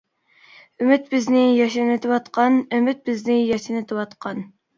ئۈمىد بىزنى ياشنىتىۋاتقان، ئۈمىد بىزنى ياشنىتىۋاتقان.